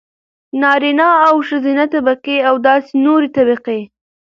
نارينه او ښځينه طبقې او داسې نورې طبقې.